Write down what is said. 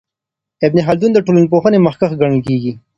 ابن خلدون د ټولنپوهنې مخکښ ګڼل کیږي.